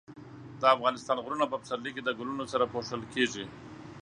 د افغانستان غرونه په پسرلي کې د ګلونو سره پوښل کېږي.